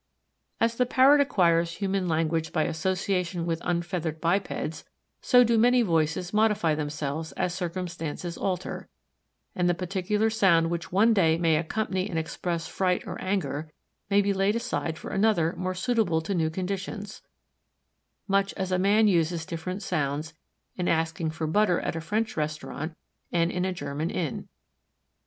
As the Parrot acquires human language by association with unfeathered bipeds, so do many voices modify themselves as circumstances alter, and the particular sound which one day may accompany and express fright or anger may be laid aside for another more suitable to new conditions, much as a man uses different sounds in asking for butter at a French restaurant and in a German inn.